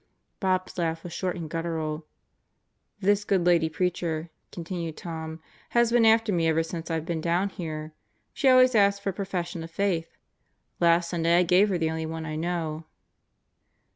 Bob's laugh was short and guttural. "This good lady preacher," continued Tom, "has been after me ever since I've been down here. She always asks for a profession of Faith. Last Sunday I gave her the only one I know."